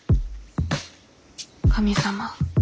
神様。